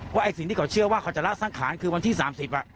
ไอ้สิ่งที่เขาเชื่อว่าเขาจะละสังขารคือวันที่๓๐